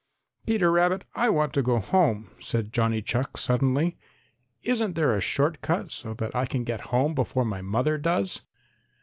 "Peter Rabbit, I want to go home," said Johnny Chuck suddenly. "Isn't there a short cut so that I can get home before my mother does?"